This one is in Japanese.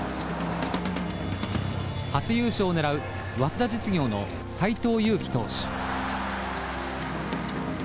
初優勝を狙う早稲田実業の斎藤佑樹投手。